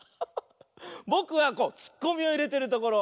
ぼくはツッコミをいれてるところ。